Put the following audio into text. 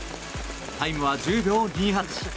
タイムは１０秒２８。